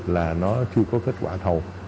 là nó chưa có kết quả thầu